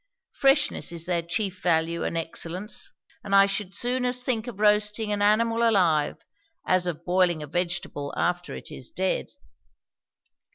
Freshness is their chief value and excellence, and I should as soon think of roasting an animal alive, as of boiling a vegetable after it is dead.